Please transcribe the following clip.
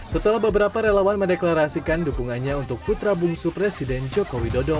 setelah beberapa relawan mendeklarasikan dukungannya untuk putra bungsu presiden joko widodo